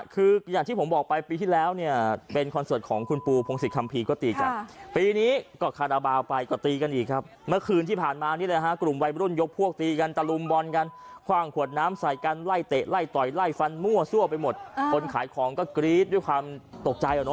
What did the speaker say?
คืออย่างที่ผมบอกไปปีที่แล้วเนี่ยเป็นคอนเสิร์ตของคุณปูพงศิษยคัมภีร์ก็ตีกันปีนี้ก็คาราบาลไปก็ตีกันอีกครับเมื่อคืนที่ผ่านมานี่แหละฮะกลุ่มวัยรุ่นยกพวกตีกันตะลุมบอลกันคว่างขวดน้ำใส่กันไล่เตะไล่ต่อยไล่ฟันมั่วซั่วไปหมดคนขายของก็กรี๊ดด้วยความตกใจ